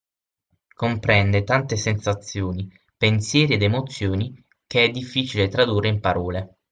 Comprende tante sensazioni, pensieri ed emozioni che è difficile tradurre in parole.